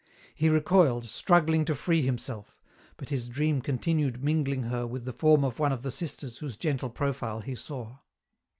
He recoiled, struggling to free himself ; but his dream continued mingling her with the form of one of the sisters whose gentle profile he saw.